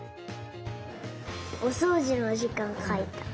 おそうじのじかんかいた。